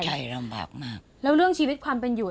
ใช่ลำบากมากแล้วเรื่องชีวิตความเป็นอยู่